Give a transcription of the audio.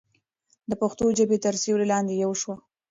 د پښتو ژبې تر سیوري لاندې یو شو.